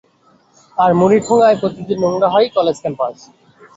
আর মুড়ির ঠোঙায় প্রতিদিন নোংরা হয় কলেজ ক্যাম্পাস।